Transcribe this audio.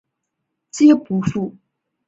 皆不赴。